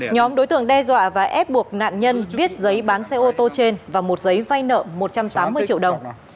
nhóm đối tượng đe dọa và ép buộc nạn nhân viết giấy bán xe ô tô trên và một giấy vay nợ một trăm tám mươi triệu đồng